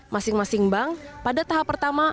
masing masing bank pada tahap pertama